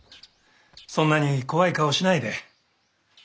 そんなに怖い顔しないで。